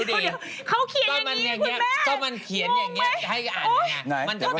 เดี๋ยวเขาเขียนอย่างนี้คุณแม่มองไหม